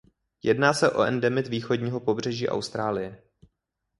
Jedná se o endemit východního pobřeží Austrálie.